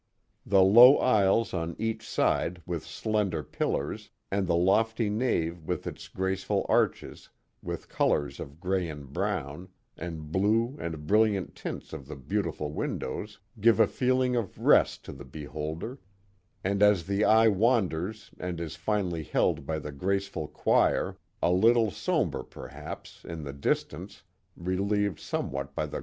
The low aisles on each side with slender pillars, and the lofty nave with its graceful arches, with colors of gray and brown, and blue and brilliant tints of the beautiful windows, give a feeling of rest to the beholder; and as the eye wanders and is finally held by the graceful choir, a little som bre perhaps, in the distance, relieved somewhat by the.